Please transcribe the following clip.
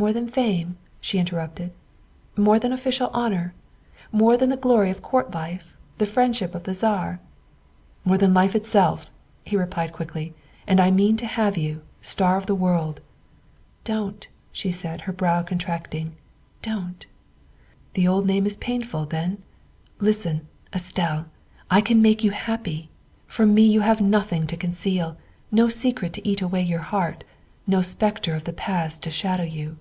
" More than fame?" she interrupted. " More than official honor? More than the glory of court life the friendship of the Czar?" " More than life itself," he replied quickly, " and I mean to have you, Star of the World. '';' Don't," she said, her brow contracting, " don't." ' The old name is painful, then? Listen, Estelle, I can make you happy? From me you have nothing to conceal ; no secret to eat away your heart ; no spectre of the past to shadow you.